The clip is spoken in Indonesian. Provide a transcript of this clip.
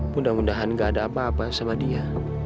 mudah mudahan gak ada apa apa sama dia